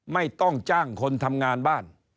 ไม่ต้องจ้างคนทำงานบ้าน